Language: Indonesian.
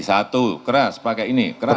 satu keras pakai ini keras